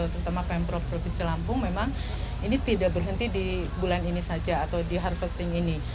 terutama pemprov provinsi lampung memang ini tidak berhenti di bulan ini saja atau di harvesting ini